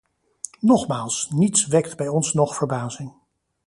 Nogmaals, niets wekt bij ons nog verbazing.